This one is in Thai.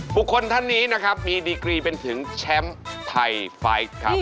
ท่านนี้นะครับมีดีกรีเป็นถึงแชมป์ไทยไฟส์ครับ